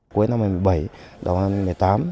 cuối năm hai nghìn một mươi bảy đầu năm hai nghìn một mươi tám